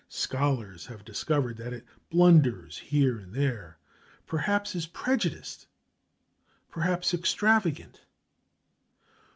Scholars have discovered that it blunders here and there, perhaps is prejudiced, perhaps extravagant.